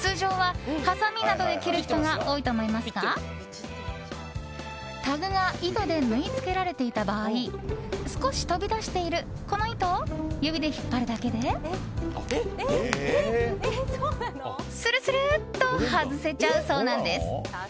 通常は、はさみなどで切る人が多いと思いますがタグが糸で縫い付けられていた場合少し飛び出しているこの糸を指で引っ張るだけでするするっと外せちゃうそうなんです。